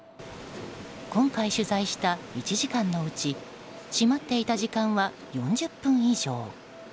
今回取材した１時間のうち閉まっていた時間は４０分以上。